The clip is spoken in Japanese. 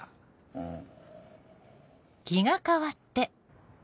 うん。